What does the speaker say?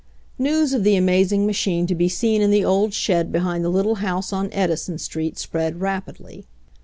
News of the amazing machine to be seen in the old shed behind the little house on Edison street spread rapidly.